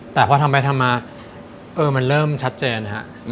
แต่พอทำไปทำมามันเริ่มชัดเจนอ่ะค่ะ